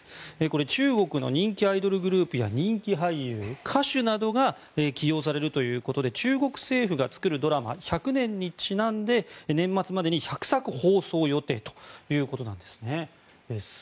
中国の人気アイドルグループ人気俳優、歌手などが起用されるということで中国政府が作るドラマ１００年にちなんで年末までに１００作放送予定ということです。